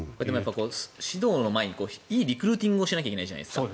指導の前にいいリクルーティングをしなければいけないじゃないですか。